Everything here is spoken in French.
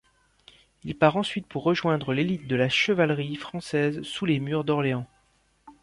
Il part ensuite pour rejoindre l'élite de la chevalerie française sous les murs d'Orléans.